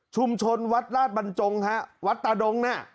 ชุมชนวัดราชบัญจงฮะวัดตาดงนะ